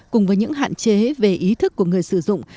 cùng với những hạn chế về ý thức của người sử dụng